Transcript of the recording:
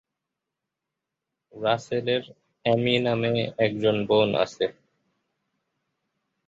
রাসেলের অ্যামি নামে একজন বোন আছে।